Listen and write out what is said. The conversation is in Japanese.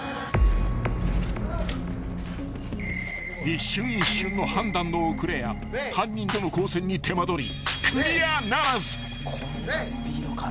［一瞬一瞬の判断の遅れや犯人との交戦に手間取り］